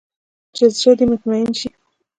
چې زړه دې مطمين سي.